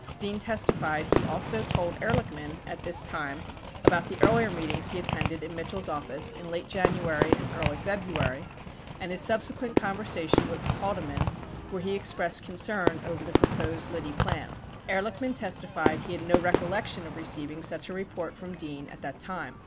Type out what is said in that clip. Dean testified he also told Ehrlichman at this time about the earlier meetings he attended in Mitchell's office in late January and early February and his subse quent conversation with Haldeman where he expressed concern oyer the proposed Liddy plan. 91 Ehrlichman testified he had no recollection of receiving such a report from Dean at that time.